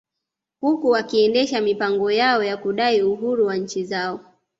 Huku wakiendesha mipango yao ya kudai uhuru wa nchi zao